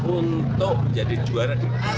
untuk jadi juara di asia kunggar